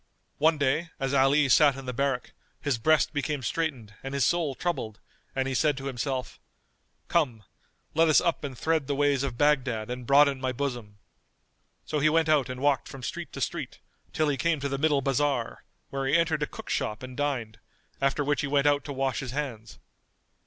One day, as Ali sat in the barrack, his breast became straitened and his soul troubled and he said in himself, "Come, let us up and thread the ways of Baghdad and broaden my bosom." So he went out and walked from street to street, till he came to the middle bazar, where he entered a cook shop and dined;[FN#226] after which he went out to wash his hands.